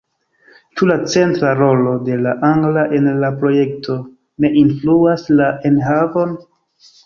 Ĉu la centra rolo de la angla en la projekto ne influas la enhavon?